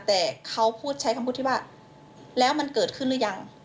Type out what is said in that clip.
แต่เขาพูดใช้คำพูดที่ว่าแล้วมันเกิดขึ้นหรือยัง